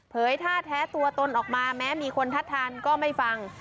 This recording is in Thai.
ท่าแท้ตัวตนออกมาแม้มีคนทัดทานก็ไม่ฟัง